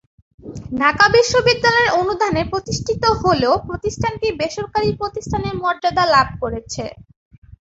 ঢাকা বিশ্ববিদ্যালয়ের অনুদানে প্রতিষ্ঠিত হলেও প্রতিষ্ঠানটি বেসরকারী প্রতিষ্ঠানের মর্যাদা লাভ করেছে।